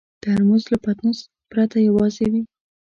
ترموز له پتنوس پرته یوازې وي.